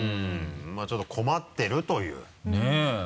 まぁちょっと困ってるという。ねぇ。